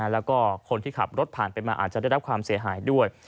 แล้วก็คนที่ขับรถผ่านไปมาอาจจะได้รับความเสียหายด้วย